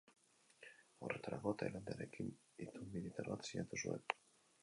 Horretarako, Thailandiarekin itun militar bat sinatu zuen.